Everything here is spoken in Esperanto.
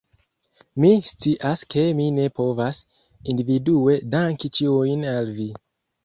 Mi scias, ke mi ne povas individue danki ĉiujn el vi